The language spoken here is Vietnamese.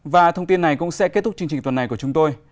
và thông tin này cũng sẽ kết thúc chương trình tuần này của chúng tôi